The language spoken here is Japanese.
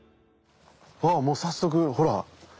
あっもう早速ほら！